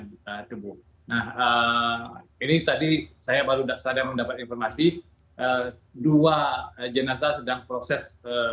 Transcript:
buka tubuh nah ini tadi saya baru saja mendapat informasi dua jenazah sedang proses